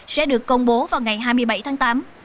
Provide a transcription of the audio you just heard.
sẽ được công bố vào ngày hai mươi bảy tháng tám